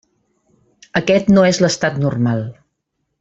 Aquest no és l'estat normal.